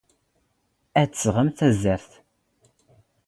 ⵔⴰⴷ ⴷ ⵜⵙⵖⵎ ⵜⴰⵣⴰⵔⵜ?